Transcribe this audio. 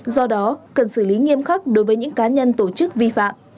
do đó cần xử lý nghiêm khắc đối với những cá nhân tổ chức vi phạm